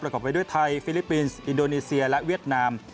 ไปด้วยไทยฟิลิปปินส์อินโดนีเซียและเวียดนาม